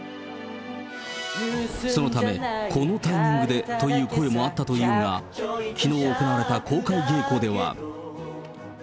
そのため、このタイミングでという声もあったというが、きのう行われた公開稽古では。